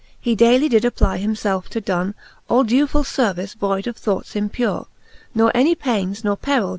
He daily did apply him felfe to donne All dewfuU fervice, voide of thoughts impure ; Ne any paines ne peril!